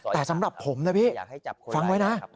แต่สำหรับผมนะพี่ฟังไว้นะ